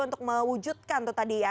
untuk mewujudkan itu tadi ya